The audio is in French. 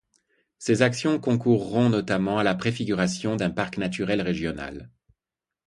Ces actions concourront notamment à la préfiguration d’un parc naturel régional.